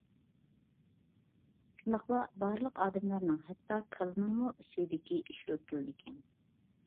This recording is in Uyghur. شۇنداقلا بارلىق ئادەملەرنىڭ، ھەتتا كالىنىڭمۇ سۈيدۈكى ئىشلىتىلىدىكەن.